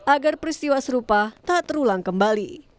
agar peristiwa serupa tak terulang kembali